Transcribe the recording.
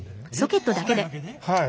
はい。